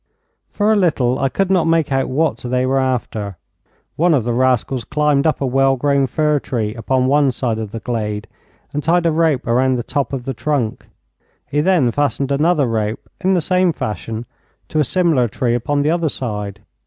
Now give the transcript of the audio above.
For a little I could not make out what they were after. One of the rascals climbed up a well grown fir tree upon one side of the glade, and tied a rope round the top of the trunk. He then fastened another rope in the same fashion to a similar tree upon the other side.